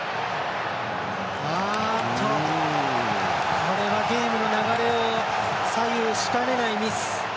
これはゲームの流れを左右しかねないミス。